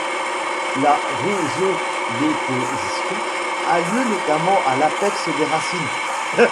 La rhizodéposition a lieu notamment à l’apex des racines.